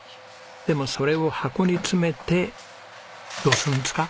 でもそれを箱に詰めてどうするんですか？